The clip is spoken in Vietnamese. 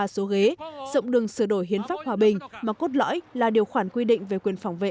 ba số ghế rộng đường sửa đổi hiến pháp hòa bình mà cốt lõi là điều khoản quy định về quyền phòng vệ